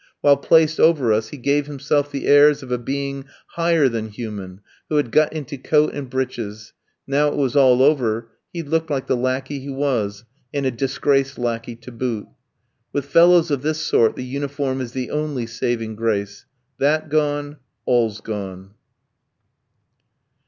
While placed over us, he gave himself the airs of a being higher than human, who had got into coat and breeches; now it was all over, he looked like the lackey he was, and a disgraced lackey to boot. With fellows of this sort, the uniform is the only saving grace; that gone, all's gone.